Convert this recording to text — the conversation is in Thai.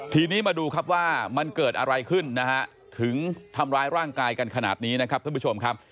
ทีนี้มาดูครับว่ามันเกิดอะไรขึ้นนะฮะถึงทำร้ายร่างกายกันขนาดนี้นะครับท่านผู้ชมครับ